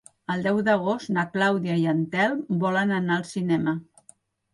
El deu d'agost na Clàudia i en Telm volen anar al cinema.